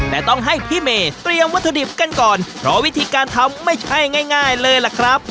แต่ต้องให้พี่เมย์เตรียมวัตถุดิบกันก่อนเพราะวิธีการทำไม่ใช่ง่ายเลยล่ะครับ